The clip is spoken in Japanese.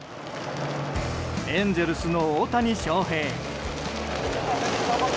エンゼルスの大谷翔平。